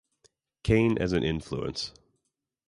Kane as an influence.